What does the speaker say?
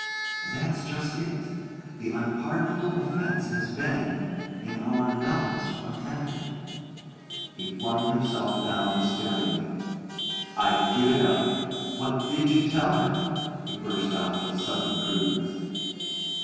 "That's just it. The unpardonable offence has been in our not offending." He flung himself down despairingly. "I give it up! What did you tell her?" he burst out with sudden crudeness.